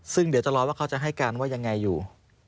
ซึ่งเดี๋ยวจะรอว่าเขาจะให้การว่ายังไงอยู่